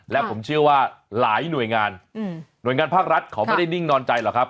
และผมเชื่อว่าหลายหน่วยงานหน่วยงานภาครัฐเขาไม่ได้นิ่งนอนใจหรอกครับ